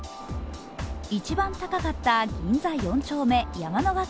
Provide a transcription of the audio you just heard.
一番高かった銀座４丁目山野